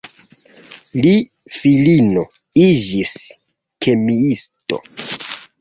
Li filino iĝis kemiisto.